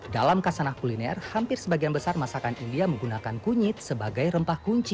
dalam kasanah kuliner hampir sebagian besar masakan india menggunakan kunyit sebagai rempah kunci